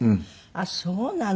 あっそうなの。